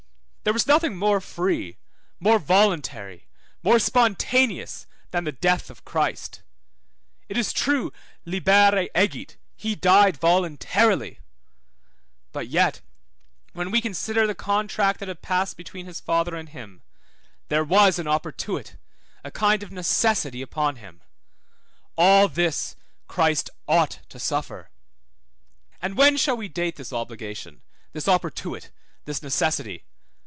There was nothing more free, more voluntary, more spontaneous than the death of Christ. It is true, libere egit, he died voluntarily; but yet when we consider the contract that had passed between his Father and him, there was an oportuit, a kind of necessity upon him: all this Christ ought to suffer. And when shall we date this obligation, this oportuit, this necessity?